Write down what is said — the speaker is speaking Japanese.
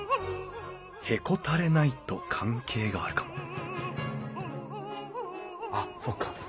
「へこたれない」と関係があるかもあっそっか注文。